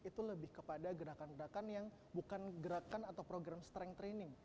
itu lebih kepada gerakan gerakan yang bukan gerakan atau program strength training